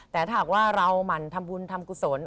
แต่ถ้าหากว่าเราหมั่นทำบุญทำกุศล